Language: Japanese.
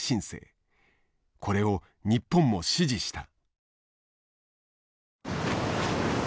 これを日本も支持した。